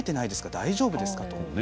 大丈夫ですか？と。